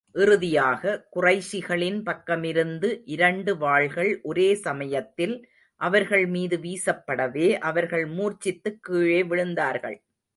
இறுதியாக, குறைஷிகளின் பக்கமிருந்து இரண்டு வாள்கள் ஒரே சமயத்தில் அவர்கள் மீது வீசப்படவே, அவர்கள் மூர்ச்சித்துக் கீழே விழுந்தார்கள்.